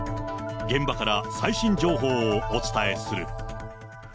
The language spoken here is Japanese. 現場から最新情報をお伝えする。